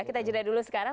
kita jeda dulu sekarang